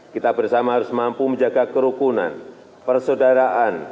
kita bersama harus mampu menjaga kerukunan persaudaraan